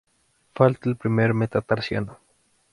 Falta el primer metatarsiano.